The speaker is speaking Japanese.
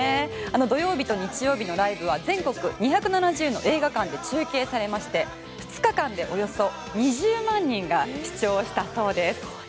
土曜日と日曜日のライブは全国２７０の映画館で中継されまして２日間でおよそ２０万人が視聴したようです。